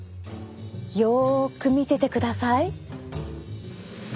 よく見ててください！